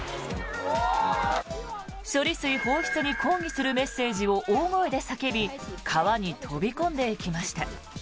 処理水放出に抗議するメッセージを大声で叫び川に飛び込んでいきました。